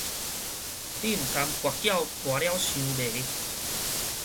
你毋通跋筊跋了傷迷